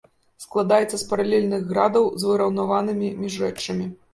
Складаецца з паралельных градаў з выраўнаванымі міжрэччамі.